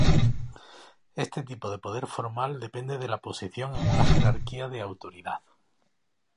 Este tipo de poder formal depende de la posición en una jerarquía de autoridad.